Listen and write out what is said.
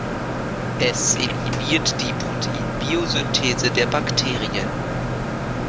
Es inhibiert die Proteinbiosynthese der Bakterien.